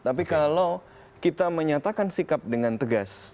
tapi kalau kita menyatakan sikap dengan tegas